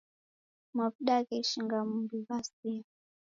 Mavuda gheshinga mumbi ghasia.